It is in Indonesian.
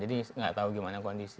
jadi nggak tahu gimana kondisi